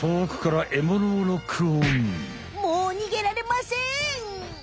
もう逃げられません！